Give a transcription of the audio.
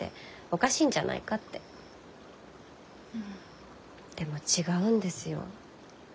でも違うんですよ。